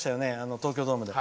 東京ドームで。